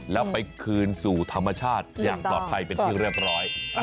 แล้วไปคืนสู่ธรรมชาติอย่างปลอดภัยเป็นที่เรียบร้อย